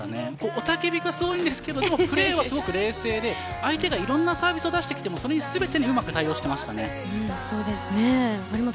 雄たけびがすごいんですけどプレーは冷静で相手がいろんなサービスを出しても全てに対応していました。